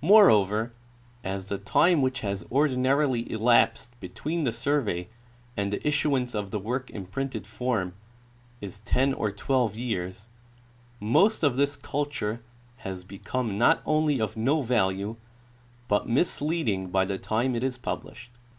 Moreover, as the time Avhich has ordinarily elapsed between the survey and the issuance of the work in printed form is ten or twelve years, most of this culture has become not only of no value but misleading by the time it is published.